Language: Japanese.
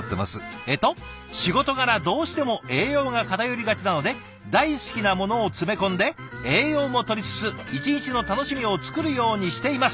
えっと「仕事柄どうしても栄養が偏りがちなので大好きなものを詰め込んで栄養もとりつつ一日の楽しみを作るようにしています！」。